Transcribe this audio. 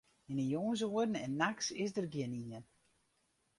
Yn 'e jûnsoeren en nachts is dêr gjinien.